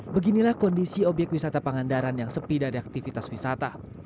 beginilah kondisi obyek wisata pangandaran yang sepi dari aktivitas wisata